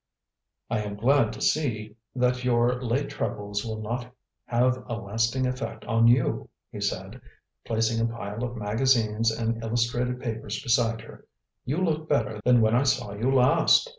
"I am glad to see that your late troubles will not have a lasting effect on you," he said, placing a pile of magazines and illustrated papers beside her. "You look better than when I saw you last."